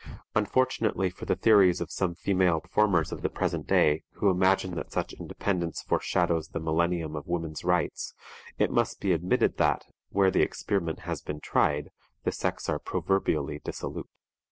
Unfortunately for the theories of some female reformers of the present day, who imagine that such independence foreshadows the millennium of woman's rights, it must be admitted that, where the experiment has been tried, the sex are proverbially dissolute.